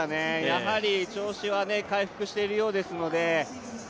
やはり調子は回復しているようでしたので。